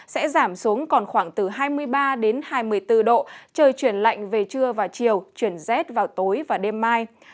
sẽ giảm xuống còn khoảng từ hai mươi ba đến hai mươi bốn độ trời chuyển lạnh về trưa và chiều chuyển rét vào tối và đêm mai